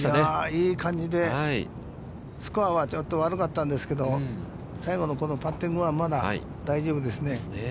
いい感じで、スコアはちょっと悪かったんですけど、最後のこのパッティングは大丈夫ですね。